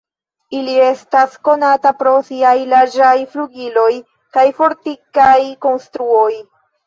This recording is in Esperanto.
Ili estas konataj pro siaj larĝaj flugiloj kaj fortikaj konstruoj.